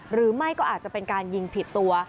หรือไม่ก็อาจจะเป็นการยิงผิดตัว